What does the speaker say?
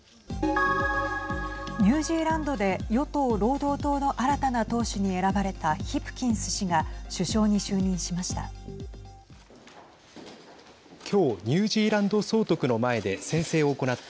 ニュージーランドで与党・労働党の新たな党首に選ばれたヒプキンス氏が首相に就任しました。